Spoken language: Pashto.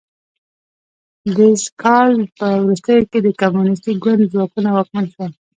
د ز کال په وروستیو کې د کمونیستي ګوند ځواکونه واکمن شول.